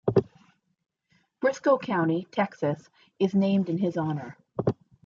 Briscoe County, Texas, is named in his honor.